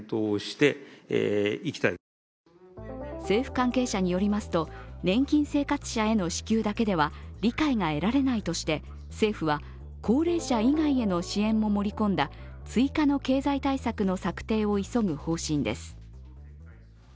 政府関係者によりますと年金生活者への支給だけでは理解が得られないとして政府は高齢者以外への支援も盛り込んだ追加の経済対策の策定を急ぐ方針です。